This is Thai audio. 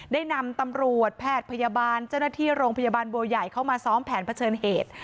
ได้นำตำรวจแพทย์พยาบาลเจ้าหน้าที่โรงพยาบาลบัวใหญ่เข้ามาซ้อมแผนเผชิญเหตุ